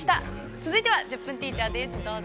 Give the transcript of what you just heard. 続いては「１０分ティーチャー」です、どうぞ。